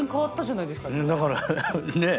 だからねえ。